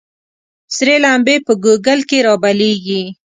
ســـــــرې لمـبـــــې په ګوګـل کــې رابلـيـــږي